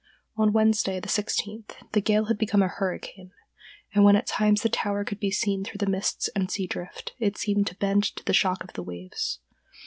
On Wednesday, the sixteenth, the gale had become a hurricane; and when at times the tower could be seen through the mists and sea drift, it seemed to bend to the shock of the waves.